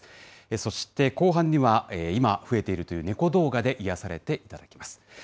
そして後半には、今、増えているという猫動画で癒やされていただきます。